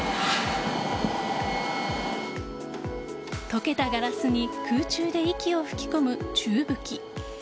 溶けたガラスに空中で息を吹き込む宙吹き。